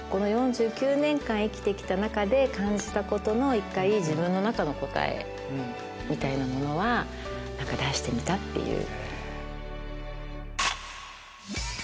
４９年間生きて来た中で感じたことの自分の中の答えみたいなものは出してみたっていう。